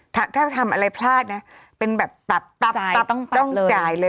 ถ้าทำอะไรพลาดเป็นแบบต้องจ่ายเลย